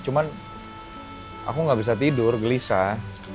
cuman aku nggak bisa tidur gelisah